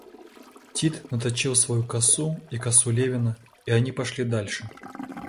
Тит наточил свою косу и косу Левина, и они пошли дальше.